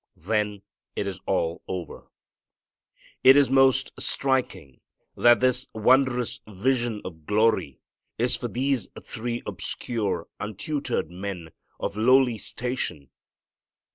Then it is all over. It is most striking that this wondrous vision of glory is for these three obscure, untutored men, of lowly station.